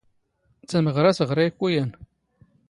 ⵜⴰⵎⵖⵔⴰ ⵜⵖⵔⴰ ⵉ ⴽⵓ ⵢⴰⵏ.